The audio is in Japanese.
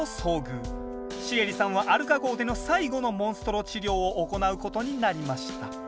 シエリさんはアルカ号での最後のモンストロ治療を行うことになりました。